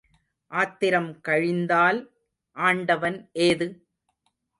ஆத்திரம் கழிந்தால் ஆண்டவன் ஏது?